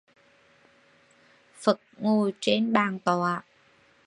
Phật ngồi trên bàn tọa